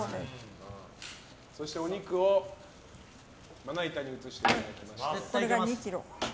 そしてお肉をまな板に移していただきまして。